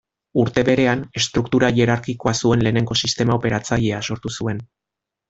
Urte berean, estruktura hierarkikoa zuen lehenengo sistema operatzailea sortu zuen.